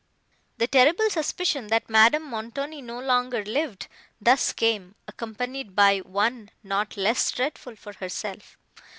The terrible suspicion, that Madame Montoni no longer lived, thus came, accompanied by one not less dreadful for herself.